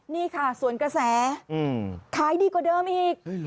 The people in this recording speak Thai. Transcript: นี่ค่ะสวนกระแสขายดีกว่าเดิมอีก